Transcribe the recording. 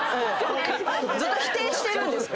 ずっと否定してるんです。